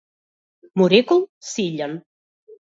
му рекол Силјан.